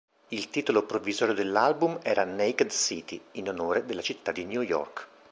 Il titolo provvisorio dell'album era "Naked City", in onore alla città di New York.